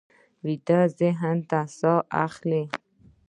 ویده ذهن ساه اخلي